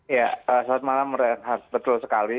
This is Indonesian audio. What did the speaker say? ya soal malam betul sekali